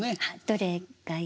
どれがいいかな。